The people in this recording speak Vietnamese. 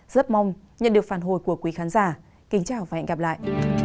rất mong nhận được phản hồi của quý khán giả kính chào và hẹn gặp lại